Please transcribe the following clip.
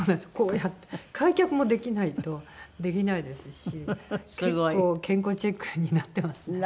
開脚もできないとできないですし結構健康チェックになってますね。